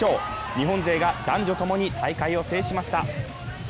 日本勢が男女共に大会を制しました。